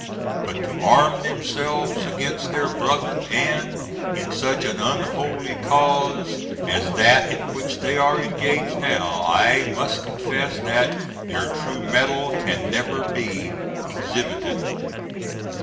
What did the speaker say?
But to arm themselves against their brethren, and in such an unholy cause as that in which they are engaged now, I must confess that their true metal can never be exhibited.